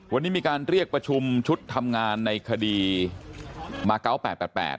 วันนี้มีการเรียกประชุมชุดทำงานในคดีมาเก้าแปดแปดแปด